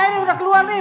airnya udah keluar nih